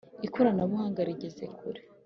ikoranabuhanga rigeze kure